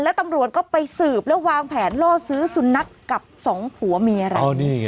แล้วตำรวจก็ไปสืบแล้ววางแผนล่อซื้อสุนัขกับสองผัวเมียเรา